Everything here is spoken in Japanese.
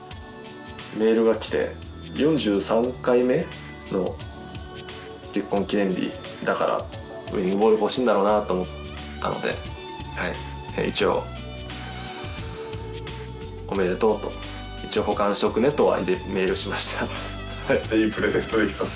メールが来て４３回目の結婚記念日だからウイニングボール欲しいんだろうなと思ったのではい一応おめでとうと一応保管しとくねとはメールしましたじゃあいいプレゼントできた？